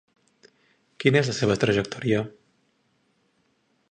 Quina és la seva trajectòria?